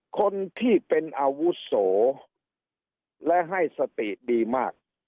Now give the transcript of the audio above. คนที่เป็นอาวุโสและให้สติดีมาก